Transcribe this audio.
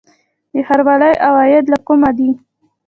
د ښاروالۍ عواید له کومه دي؟